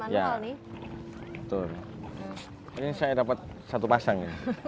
ini saya dapat satu pasang